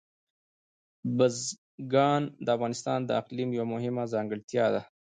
بزګان د افغانستان د اقلیم یوه مهمه ځانګړتیا ده.